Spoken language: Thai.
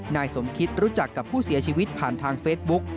นายสมคิตรู้จักกับผู้เสียชีวิตผ่านทางเฟซบุ๊ก